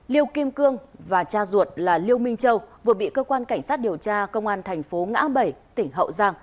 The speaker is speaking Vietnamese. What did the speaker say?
liêu kim cương và cha ruột là liêu minh châu vừa bị cơ quan cảnh sát điều tra công an thành phố ngã bảy tỉnh hậu giang